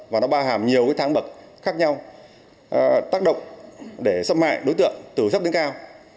và nó bao hàm nhiều cái tháng bậc khác nhau tác động để xâm hại đối tượng từ rất đến cao